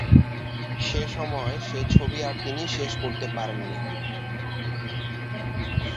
সেসময় সে ছবি আর তিনি শেষ করতে পারেননি।